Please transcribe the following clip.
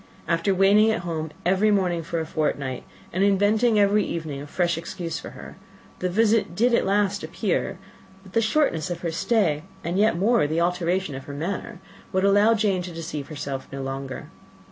After waiting at home every morning for a fortnight, and inventing every evening a fresh excuse for her, the visitor did at last appear; but the shortness of her stay, and, yet more, the alteration of her manner, would allow Jane to deceive herself no longer.